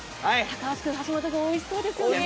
高橋君、橋本君おいしそうですね。